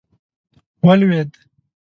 ولوېد.